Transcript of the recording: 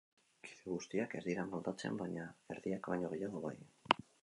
Kide guztiak ez dira moldatzen, baina erdiak baino gehiago bai.